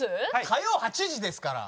火曜８時ですから。